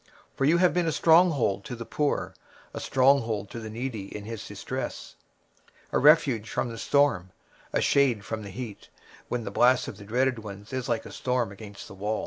23:025:004 For thou hast been a strength to the poor, a strength to the needy in his distress, a refuge from the storm, a shadow from the heat, when the blast of the terrible ones is as a storm against the wall.